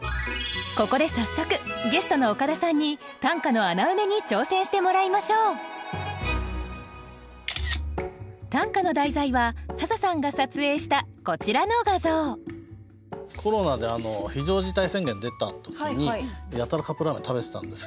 ここで早速ゲストの岡田さんに短歌の穴埋めに挑戦してもらいましょう短歌の題材は笹さんが撮影したこちらの画像コロナで非常事態宣言出た時にやたらカップラーメン食べてたんですよ。